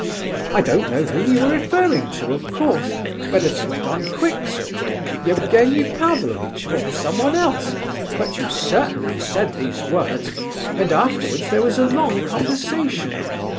I don't know whom you were referring to, of course, whether to Don Quixote, or Evgenie Pavlovitch, or someone else, but you certainly said these words, and afterwards there was a long conversation..."